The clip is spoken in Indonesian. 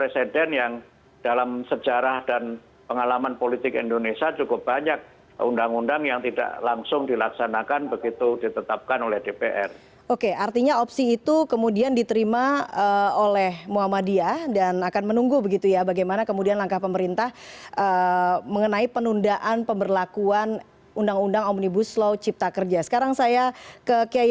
selain itu presiden judicial review ke mahkamah konstitusi juga masih menjadi pilihan pp muhammadiyah